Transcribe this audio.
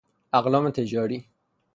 اقلام تجاری